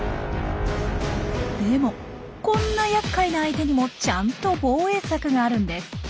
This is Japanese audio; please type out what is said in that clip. でもこんなやっかいな相手にもちゃんと防衛策があるんです。